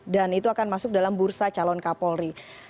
dan itu akan masuk dalam bursa calon kapolri